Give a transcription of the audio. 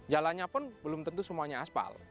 jalannya pun belum tentu semuanya aspal